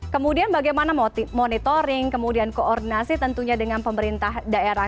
kemudian bagaimana monitoring kemudian koordinasi tentunya dengan pemerintah daerah